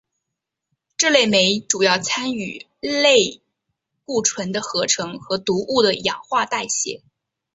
这类酶主要参与类固醇的合成和毒物的氧化代谢。